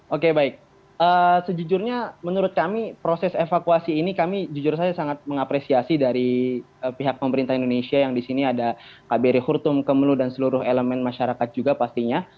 oke baik sejujurnya menurut kami proses evakuasi ini kami jujur saja sangat mengapresiasi dari pihak pemerintah indonesia yang di sini ada kbri hurtum kemlu dan seluruh elemen masyarakat juga pastinya